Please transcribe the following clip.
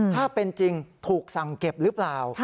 ถ้าเป็นจริงถูกสั่งเก็บหรือเปล่า